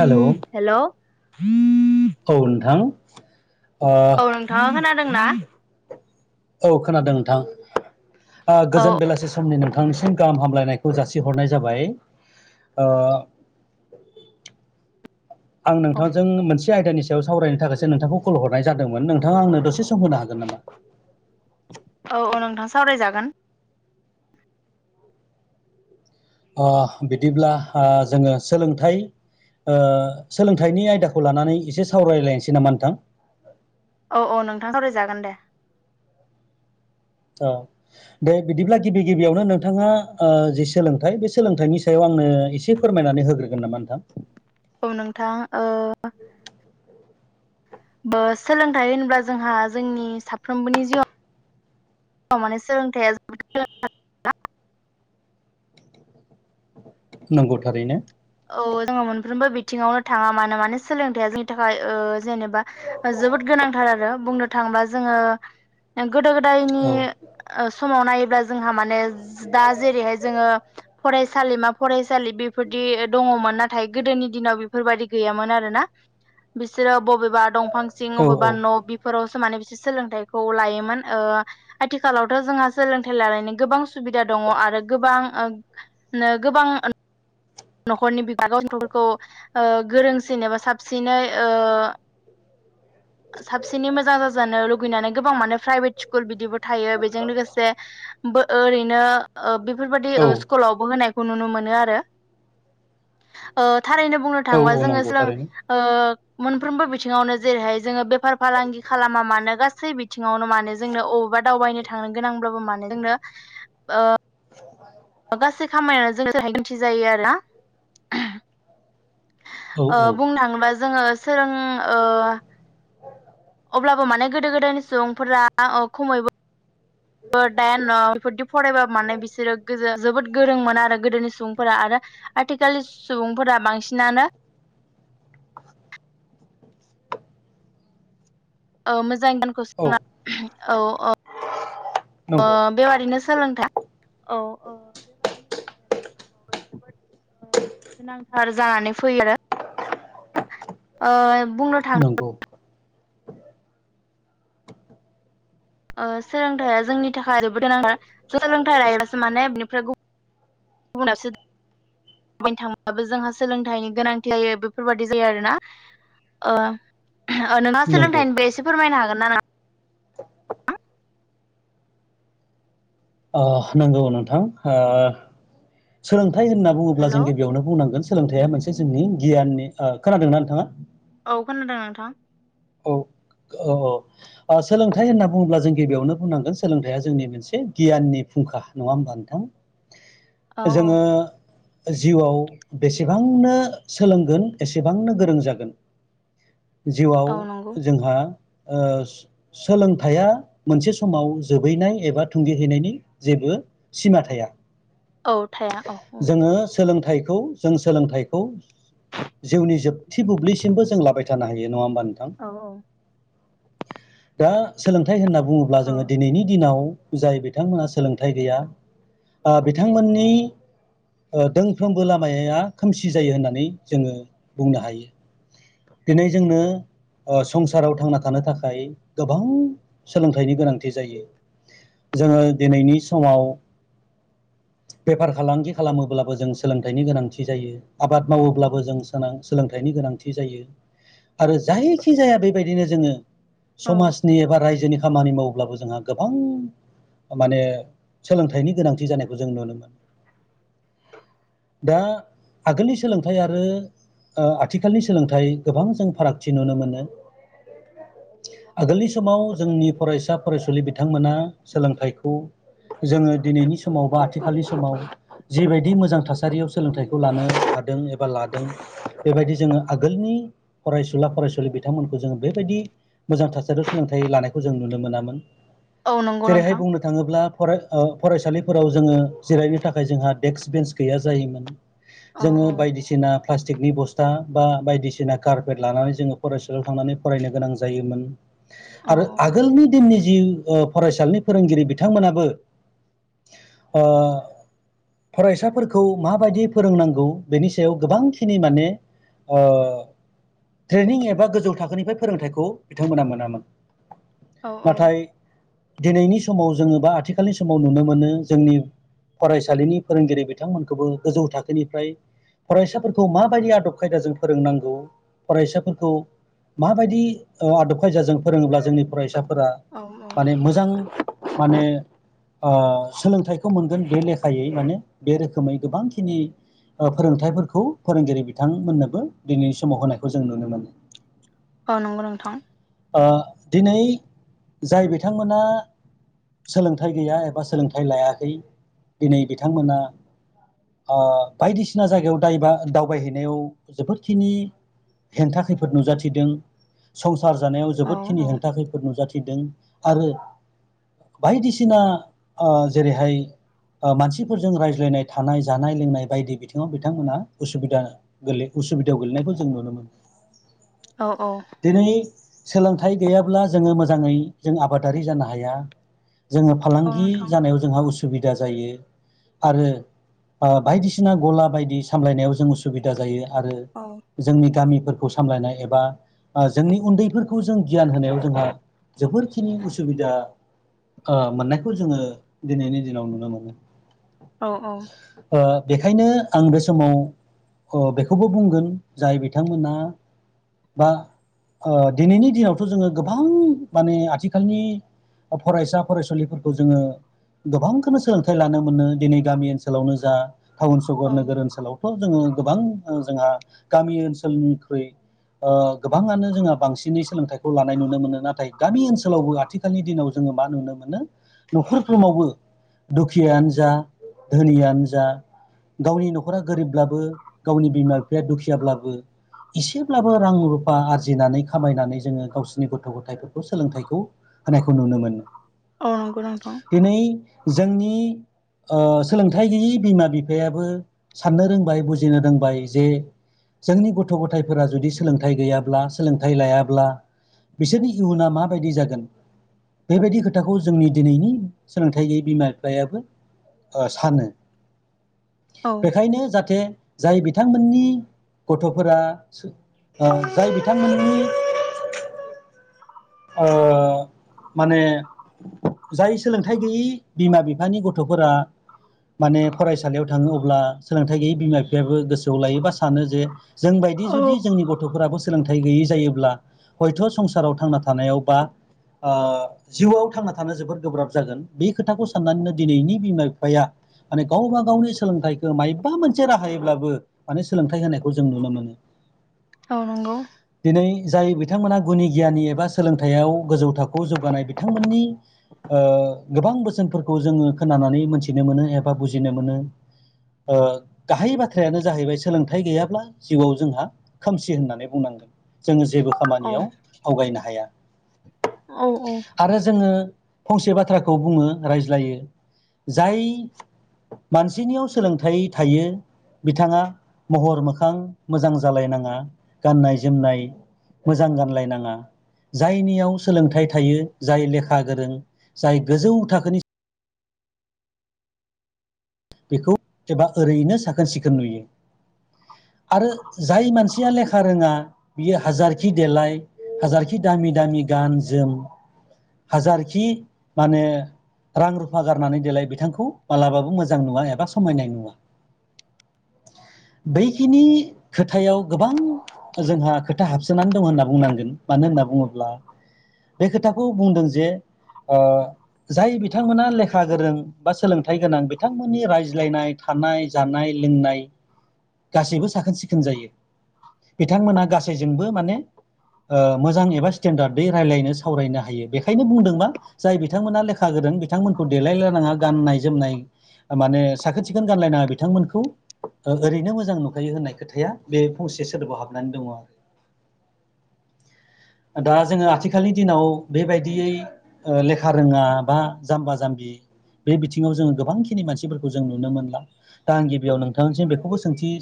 Hello hello. औ नथां। औ नोंथाङा खोनादोंना? औ खोनादों नोंथां औ गोजोन बेलासि समनि नोंथां थांनिसिम गाहाम हामलायनायखौ जासिहरनाय जाबाय ओ [inaudible] आं नोंथांजों मोनसे आयदानि सावरायनो थाखायसो नोंथांखौ कल हरनाय जादोंमोन नोंथाङा आंनो दसे सम होनो हागोन नामा? औ औ नोंथां सावरायजागोन। ओ बिदिब्ला ओ जोङो सोलोंथाइ सोलोंथाइनि आयदाखौ लानानै एसे सावरायलायनोसै नामा नोंथां औ औ नोंथांखौ ररायजागोन दे औ दे बिदिब्ला गिबि गिबियावनो नोंथाङा जि सोलोंथाइ बे सोलोंथाइनि सायाव आं आंनो एसे फोरमायनानै होग्रोगोन नामा नोंथां औ नोंथां ब सोलोंथाइ होनोब्ला जोंहा जोंनि साफ्रोमबोनि जिउआव माने सोलोंथाइया ज नंगौ थारैनो औ जोङो मोनफ्रोमबो बिथिङावनो थाङा मानो माने सोलोंथाइया जोंनि थाखाय जेनेबा जोबोद गोनांथार आरो बुंनो थाङोबा जोङो गोदो गोदायनि औ समाव नायोब्ला जोंहा माने दा जेरैहाय जोङो फरायसालिमा फरायसालि बेफोरदि दङमोन नाथाय गोदोनि दिनाव बेफोरबायदि गैयामोन आरोना बिसोरो बबेबा दं फांसिं औ अबेबा औ न' बिफोराव समे बिसोर सोलोंथाइखौ लायोमोन आथिखालावथ' जोंहा सोलोंथाइ लानायनि गोबां सुबिदा दं दङ आरो गोबां गोबां न'खरनि बिबागाव नथफोरखौ गोरोंसिन एबा साबसिनै साबसिनै मोजां जाजानो लुगैनानै गोबां मान प्राइभेट स्कुल बिदिबो थायो बेजों लोगोसे ओरैनो बेफोरबायदि औ स्कुलावबो होनाय खौ नुनो मोनो आरो थारैनो बुंनो औ थाङोबा औ जोङो नंगौ थारैनो जोलों मोनफ्रोमबो बिथिङावनो जेरैहाय जोङो बेफार फालांगि खालामा मानो गासै बिथिङावनो मानो जोंनो बा दावबायनो थांनो गोनांब्लाबो मानो जोंनो। गासै खामानियानो जों थाखाय मिन्थिजायो आरोना। औ ओ औ बुंनो थाङोबा जोङो सोरों ओ। औ। अब्लाबो माने गोदो गोदायनि सुबुंफोरा अ! खमैबो दायन बेफोरदि फरायबा माने बिसोरो गोजा जोबोद। गोरों मोना आरो गोदोनि सुबुंफोरा आरो आथिखालनि सुबुंफोरा बांसिनानो। [unintelligible] औ मोज। औ [unintelligible] औ-औ नंगौ बेबादिनो सोलोंथाइ। औ-औ बेबादिनो सोरबाया जोंनिथिंआव जोबोद। गोनांथार जानानै फैयो आरो ओ। बुंनो थां नंगौ। ओ सोलोंथायाइआ जोंनि थाखाय जोबोद गोनां सोलोंथाइ लायोब्लासो माने। [unintelligible] गुबुनासो। दावबायनो थांबाबो जोंहा सोलोंथाइनि गोनांथि जायो बेफोरबायदि जायो आरोना। ओ नोंहा नंगौ सोलोंथाइनिबो एसे फोरमायनो हागोन ना नों? [unintelligible] अ! नंगौ नोंथां ओ सोलों। थाय होनना बुङोब्ला हेल' जों गिबियावनो बुंनांगोन सोलोंथाइआ मोनसे जोंनि गियाननि। ओ खोनादोंना नोंथाङा? औ खोनादों नोंथां। औ-औ-औ। अ! सोलोंथाइ होनना बुङोब्ला जों गिबियावनो बुंनांगोन सोलोंथाइया जोंनि मोनसे गियाननि फुंखा नङा होमबा नों? थां औ औ जोङो। जिउआव बेसेबांनो सोलोंगोन एसेबांनो गोरों जागोन। जिउआव औ नंगौ जोंहा। ओ सोलोंथाइया मोनसे समाव जोबहैनाय एबा थुंगिहैनायनि जेबो। सिमा थाया। औ थाया औ-औ। थाइखौ जों सोलोंथाइखौ जिउनि जोबथि बुब्लिसिमबो जों लाबाय थानो हायो। बे नङा होमबा नोंथां? औ। दा सोलोंथाइ होनना बुङोब्ला जोङो दिनैनि दिनाव। जाय बिथांमोनहा सोलोंथाइ गैया आ बिथांमोननि। ओ दोंफ्रोमबो लामाया खोमसि जायो होननानै जोङो बुंनो हायो। दिनै जोंनो। ओ संसाराव थांना थानो थाखाय गोबां सोलोंथाइनि गोनांथि जायो। जोङो दिनैनि समाव। बेफार-फालांगि खालामोब्लाबो जों सोलोंथाइनि गोनांथि जायो आबाद मावोब्लाबो जों सा सोलोंथाइनि‌। गोनांथि जायो आरो जाय। खि जाया बेबायदिनो जोङो औ समाजनि एबा रायजोनि। खामानि मावोब्लाबो जोंहा गोबां। माने सोलोंथाइनि गोनांथि जानायखौ जों नुनो मोनो। दा आगोलनि सोलोंथाइ आरो। ओ आथिखालनि सोलोंथाइ गोबां जों फारागथि नुनो मोनो। आगोलनि समाव जोंनि फरायसा फरायसुलि बिथांमोना सोलोंथाइखौ। जोङो दिनैनि समाव बा आथिखालनि समाव। जिबायदि मोजां थासारियाव सोलोंथाइखौ लानो हादों एबा लादों बेबायदि जोङो आगोलनि। फरायसुला, फरायसुलि बि। नोथांमोनखौ जोङो बेबायदि मोजां थासारियाव सोलोंथाइ लानायखौ जों नुनो मोनामोन औ नंगौ जेरैहाय नोंथां बुंनो थाङोब्ला फराय ओ फरायसालिफोराव जोङो जिरायनो थाखाय जोंहा डेक्क बेन्स गैया जायोमोन औ जोङो औ बायदिसिना प्लास्टिकनि बस्था बा बायदिसिना कारपेट लानानै जोङो फरायसालियाव थांनानै फरायनो गोनां जायोमोन औ आरो आगोलनि दिननि जि फरायसालिनि फोरोंगिरि बिथांमोनाबो फरायसाफोरखौ माबायदि फोरोंनांगौ बेनि सायाव गोबांखिनि माने ओ ट्रेनिं एबा गोजौ थाखोनिफ्राय फोरोंथाइखौ बिथांमोना मोनामोन औ औ नाथाय दिनैनि समाव जोङो बा आथिखालनि समाव नुनो मोनो जोंनि फरायसालिनि फोरोंगिरि बिथांमोनखौबो गोजौ थाखोनिफ्राय फरायसाफोरखौ माबायदि आदब खायदाजों फोरोंनांगौ फरायसाफोरखौ माबायदि आदब खायजाजों फोरोङोब्ला जोंनि फरायसाफोरा औ औ माने मोजां माने ओ सोलोंथाइखौ मोनगोन बे लेखायै माने बे रोखोमै गोबांखिनि फोरोंथाइफोरखौ फोरोंगिरि बिथांमोननोबो दिनैनि समाव होनायखौ जों नुनो मोनो औ नंगौ नोंथां ओ दिनै जाय बिथांमोना सोलोंथाइ गैया एबा सोलोंथाइ लायाखै दिनै बिथांमोना ओ बायदिसिना जायगायाव दायोबा दावबायहैनायाव जोबोद खिनि हेंथा खैफोद नुजाथिदों संसार जानायाव औ जोबोदखिनि हेंथा खैफोद नुजाथिदों फैदों आरो बायदिसिना जेरैहाय ओ मानसिफोरजों रायज्लायनाय थानाय जानाय लोंनाय बायदि बिथिङाव बिथांमोनहा उसुबिदा गोलै उसुबिदायाव गोेलेनायखौ जों नुनो मोन औ औ दिनै सोलोंथाइ गैयाब्ला जोङो मोजाङै जों आबादारि जानो हाया जोङो औ फालांगि नोंथां जानायाव जोंहा उसुबिदा जायो। आरो बायदिसिना गला बायदि सामलायनायाव जों उसुबिदा जायो। आरो औ जोंनि गामिफोरखौ सामलायनाय एबा जोंनि उन्दैफोरखौ जों गियान होनायाव जोंहा जोबोरखिनि उसुबिदा मोननायखौ जोङो दिनैनि दिनाव नुनो मोनो। औ औ बेखायनो आं बे समाव अ बेखौबो बुंगोन जाय बिथांमोना बा दिनैनि दिनावथ' जोङो गोबां माने आथिखालनि फरायसा फरायसुलिफोरखौ जोङो गोबांखौनो सोलोंथाइ लानो मोनो दिनै गामि ओनसोलावनो जा टाउन सहर औ नोगोर ओनसोलावथ' जोङो गोबां जोंहा गामि ओनसोलनिख्रुइ गोबाङानो जोंहा बांसिनै सोलोंथाइखौ लानाय नुनो मोनो नाथाय गामि ओनसोलावबो आथिखालनि दिनाव जोङो म नो मोनो न'खरफ्रावबो दुखियानो जा धोनियानो जा गावनि न'खरा गोरिबब्लाबो गावनि बिमा बिफाया दुखियाब्लाबो इसेब्लाबो बो रां रुफा आरजिनानै खामायनानै जोङो गावसोरनि गथ' गथायफोरखौ सोलोंथाइखौ होनायखौ नुनो मोनो औ नंगौ नोंथां दिनै जोंनि सोलोंथाइ गैयै बिमा बिफायाबो साननो रोंबाय बुजिनो रोंबाय जे जोंनि गथ' गथायफोरा जुदि सोलोंथाइ गैयाब्ला सोलोंथाइ लायाब्ला बिसोरनि इयुना माबायदि जागोन बेबायदि खोथाखौ जोंनि दिनैनि सोलोंथाइ गैयै बिमा बिफायाबो सानो औ बेखायनो जाहाथे जाय बिथांमोननि गथ'फोरा जाय बिथांमोननि अ माने जाय सोलोंथाइ गैयै बिमा बिफानि गथ'फोरा। माने फरायसालियाव थांङो अब्ला सोलोंथाइ गैयि बिमा बिफायाबो गोसोआव लायो बा। सानो जे जोंबायदि औ जुदि जोंनि गथ'फोराबो सोलोंथाइ। थाय गैयै जायोब्ला हयथ' संसाराव थांना थानायाव बा। ओ जिउआव थांना थानो जोबोद गोब्राब जागोन बे खोथाखौ साननानैनो दिनैनि बिमा बिफाया माने गावबा गावनि सोलोंथाइखौ माबेबा मोनसे राहायोब्लाबो माने सोलोंथाइ होनायखौ जों नुनो मोनो। औ नंगौ। दिनै जाय बिथांमोना गुनि गियानि एबा सोलोंथाइयाव गोजौ थाखोआव जौगानाय बिथांमोननि। ओ गोबां बोसोनफोरखौ जोङो खोनानानै मोनथिनो मोनो एबा बुजिनो मोनो। ओ गाहाय बाथ्रायानो जाहैबाय सोलोंथाइ गैयाब्ला जिउआव जोंहा खोमसि होननानै बुंनांगोन। जोङो जेबो औ खामानियाव आवगायनो हाया। औ औ। आरो जोङो फंसे बाथ्राखौ बुङो रायज्लायो जाय मानसिनियाव सोलोंथाइ थायो। बिथाङा महर मोखां मोजां जालायनाङा गाननाय जोमनाय। मोजां गानलायनाङा। जायनियाव सोलोंथाइ थायो जाय लेखा गोरों जाय गोजौ थाखोनि बेखौ एबा ओरैनो साखोन सिखोन नुयो। आरो जाय मानसिया लेखा रोङा बियो हाजारखि देलाय। हाजारखि दामि दामि गान जोम। हाजारखि माने रां रुफा गारनानै देलाय बिथांखौ मालाबाबो मोजां। मोजां नुआ एबा समायनाय नुआ। बैखिनि खोथायाव गोबां जोंहा खोथा हाबसोनानै दं होनना बुंनांगोन मानो मानो होनना बुङोब्ला बे खोथाखौ बुंदों जे ओ जाय बिथांमोना लेखा गोरों बा सोलोंथाइ गोनां। बिथांमोननि रायज्लायनाय थानाय जानाय लोंनाय। गासैबो साखोन सिखोन जायो बिथांमोनहा गासैजोंबो माने ओ मोजां एबा स्टेन्डार्ट यै रायलायनो सावरायनो हायो बेखायनो बुंदों मा जाय बिथांमोना लेखा गो रों बिथांमोनखौ देलायलायनाङा गाननाय जोमनाय माने साखोन सिखोन गानलायनाङा बिथांमोनखौ ओरैनो मोजां नुखायो होननाय खोथाया बे फंसे सोदोबाव हाबनानै दङ। दा जोङो आथिखालनि दिनाव बेबायदियै ओ लेखा रोङा बा जाम्बा जाम्बि बे बिथिङाव जोङो गोबांखिनि मानसिफोरखौ जों नुनो मोनला दा आं गिबियाव नोंथांसिम बेखौबो सोंथि